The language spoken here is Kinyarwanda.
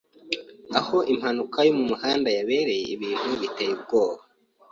Aho impanuka yo mumuhanda yabereye ibintu biteye ubwoba.